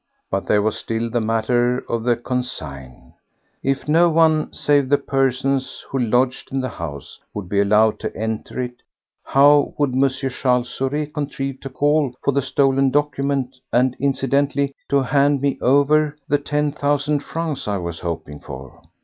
But there was still the matter of the consigne. If no one, save the persons who lodged in the house, would be allowed to enter it, how would M. Charles Saurez contrive to call for the stolen document and, incidentally, to hand me over the ten thousand francs I was hoping for?